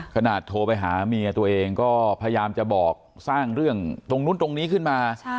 โทรไปหาเมียตัวเองก็พยายามจะบอกสร้างเรื่องตรงนู้นตรงนี้ขึ้นมา